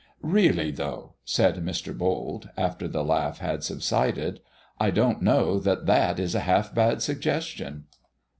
"Really, though," said Mr. Bold, after the laugh had subsided, "I don't know that that is a half bad suggestion."